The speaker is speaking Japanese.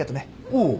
おう。